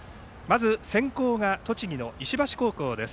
先攻が栃木の石橋高校です。